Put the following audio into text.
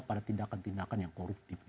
pada tindakan tindakan yang koruptif